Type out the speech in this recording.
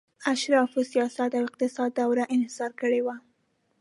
اشرافو سیاست او اقتصاد دواړه انحصار کړي وو